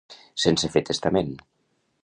Sense fer testament.